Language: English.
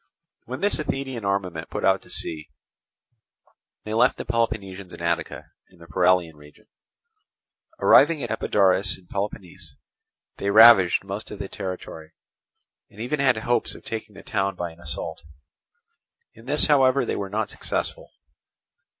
When this Athenian armament put out to sea, they left the Peloponnesians in Attica in the Paralian region. Arriving at Epidaurus in Peloponnese they ravaged most of the territory, and even had hopes of taking the town by an assault: in this however they were not successful.